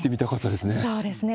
そうですね。